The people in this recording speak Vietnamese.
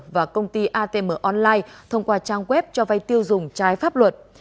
và công ty atm online thông qua trang web cho vay tiêu dùng trái pháp luật